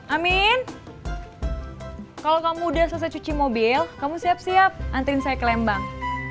amin kalau kamu udah selesai cuci mobil kamu siap siap antrin saya ke lembang